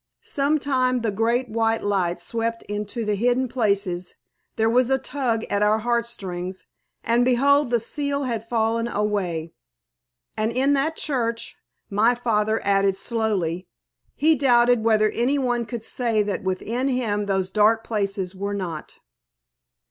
Sometime the great white light swept into the hidden places, there was a tug at our heartstrings, and behold the seal had fallen away. And in that church, my father added slowly, "he doubted whether any one could say that within him those dark places were not."